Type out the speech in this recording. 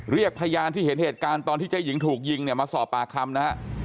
เรียกพยานที่เห็นเหตุการณ์ตอนที่เจ๊หญิงถูกยิงเนี่ยมาสอบปากคำนะฮะ